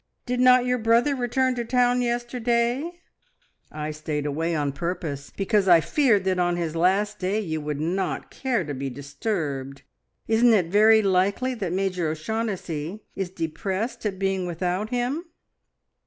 Did not your brother return to town yesterday? I stayed away on purpose, because I feared that on his last day you would not care to be disturbed; but isn't it very likely that Major O'Shaughnessy is depressed at being without him?"